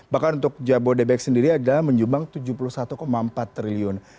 bahkan untuk jabodebek sendiri adalah menyumbang tujuh puluh satu empat triliun